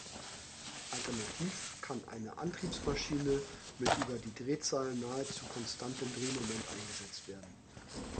Alternativ kann eine Antriebsmaschine mit über die Drehzahl nahezu konstantem Drehmoment eingesetzt werden.